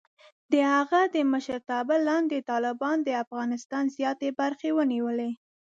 د هغه د مشرتابه لاندې، طالبانو د افغانستان زیاتې برخې ونیولې.